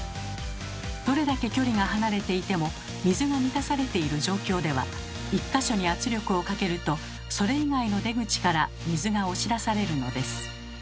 どれだけ距離が離れていても水が満たされている状況では１か所に圧力をかけるとそれ以外の出口から水が押し出されるのです。